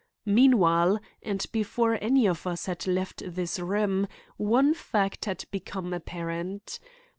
Meanwhile, and before any of us had left this room, one fact had become apparent.